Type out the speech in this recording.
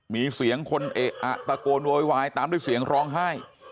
มีเสียงคนเอะอะตะโกนโวยวายตามด้วยเสียงร้องไห้